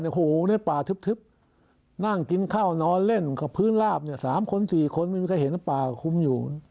ในป่าทึบนั่งกินข้าวนอนเล่นกับพื้นลาบ๓๔คนไม่มีใครเห็นป่าคุ้มอยู่